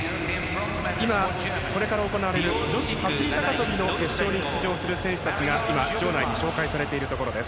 今、これから行われる女子走り高跳びの決勝に出場する選手たちが今、場内に紹介されているところです。